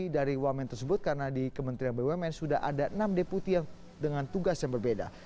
dan keuangan bumn tersebut karena di kementerian bumn sudah ada enam deputi yang dengan tugas yang berbeda